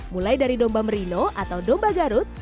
mulai dari domba merino atau domba garut